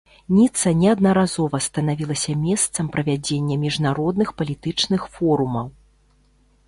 Ніца неаднаразова станавілася месцам правядзення міжнародных палітычных форумаў.